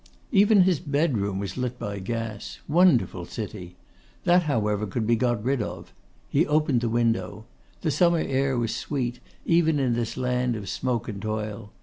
Even his bedroom was lit by gas. Wonderful city! That, however, could be got rid of. He opened the window. The summer air was sweet, even in this land of smoke and toil.